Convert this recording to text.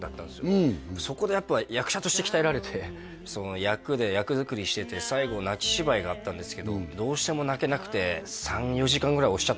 うんそこでやっぱ役者として鍛えられてその役で役作りしてて最後泣き芝居があったんですけどどうしても泣けなくてうわ